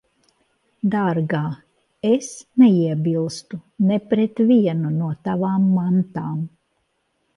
Dārgā, es neiebilstu ne pret vienu no tavām mantām.